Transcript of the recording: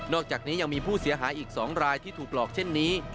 อกจากนี้ยังมีผู้เสียหายอีก๒รายที่ถูกหลอกเช่นนี้